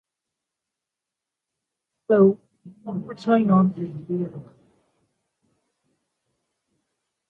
Undernet survived these periods relatively intact and its popularity continues to the present day.